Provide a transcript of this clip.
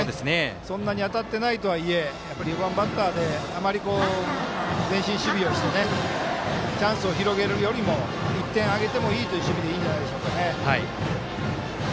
そんな当たってないとはいえ４番バッターであまり前進守備をしてチャンスを広げるよりも１点あげてもいいという守備でいいんじゃないですかね。